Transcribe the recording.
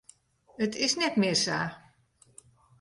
It is net mear sa.